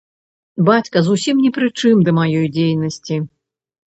Бацька зусім ні пры чым да маёй дзейнасці!